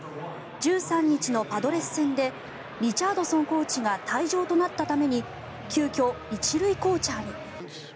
１３日のパドレス戦でリチャードソンコーチが退場となったために急きょ１塁コーチャーに。